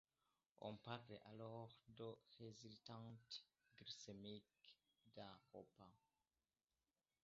On parle alors de résultante glycémique d'un repas.